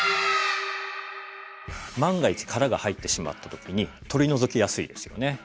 万が一殻が入ってしまった時に取り除きやすいですよね。